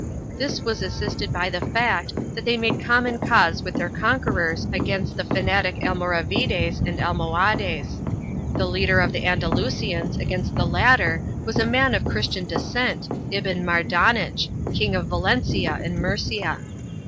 1 This was assisted by the fact that they made common cause with their conquerors against the fanatic Almoravides and Almohades. The leader of the Andalusians against the latter was a man of Christian descent, Ibn Mardanich, King of Valencia and Murcia.